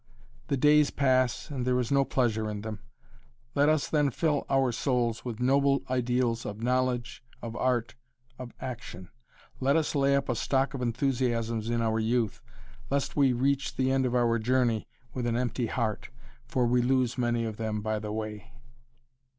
The days pass and there is no pleasure in them. Let us then fill our souls with noble ideals of knowledge, of art, of action. "Let us lay up a stock of enthusiasms in our youth, lest we reach the end of our journey with an empty heart, for we lose many of them by the way."